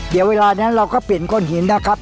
เดี๋ยวเวลานั้นเราก็เปลี่ยนก้อนหินนะครับ